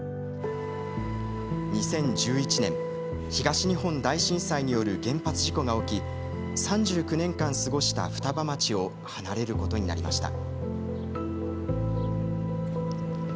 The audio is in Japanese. ２０１１年、東日本大震災による原発事故が起き３９年間、過ごした双葉町を離れることになりました。